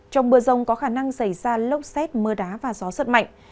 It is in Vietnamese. trong mưa rông có khả năng xảy ra lốc xét mưa đá và gió giật mạnh